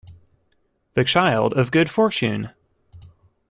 The child of good fortune!